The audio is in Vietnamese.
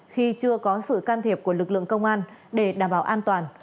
khi chưa có sự can thiệp của lực lượng công an để đảm bảo an toàn